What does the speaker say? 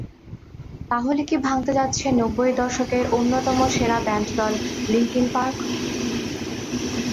তাহলে কি ভাঙতে যাচ্ছে নব্বইয়ের দশকের অন্যতম সেরা ব্যান্ড দল লিনকিন পার্ক?